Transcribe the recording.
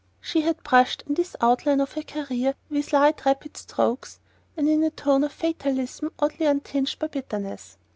She had brushed in this outline of her career with light rapid strokes, and in a tone of fatalism oddly untinged by bitterness.